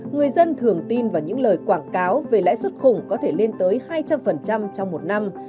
người dân thường tin vào những lời quảng cáo về lãi suất khủng có thể lên tới hai trăm linh trong một năm